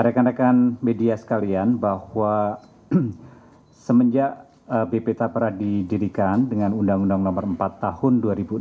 rekan rekan media sekalian bahwa semenjak bp tapra didirikan dengan undang undang nomor empat tahun dua ribu enam belas